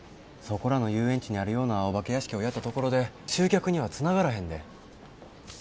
そこらの遊園地にあるようなお化け屋敷をやったところで集客にはつながらへんで。